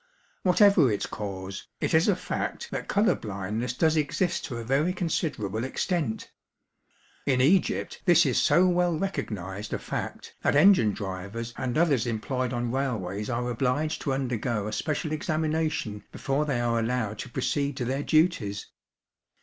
Whatever its cause, it is a fact that colour blindness does exist to a very considerable extent. In Egypt this is so well recognised a fact, that engine drivers and others employed on railways are obliged to undergo a special examination before they are allowed to proceed to their duties.